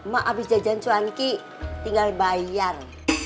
mak abis janjian cuan tinggal bayar